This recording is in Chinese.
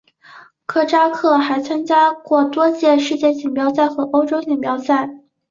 科扎克还参加过多届世界锦标赛和欧洲锦标赛。